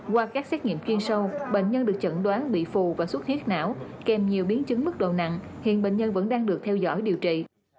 qua các xét nghiệm chuyên sâu bệnh nhân được chẩn đoán bị phù và suốt huyết não kèm nhiều biến chứng mức độ nặng hiện bệnh nhân vẫn đang được theo dõi điều trị